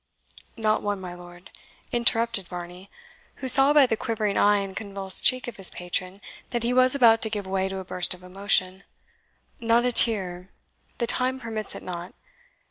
"Not one, my lord," interrupted Varney, who saw by the quivering eye and convulsed cheek of his patron that he was about to give way to a burst of emotion "not a tear the time permits it not.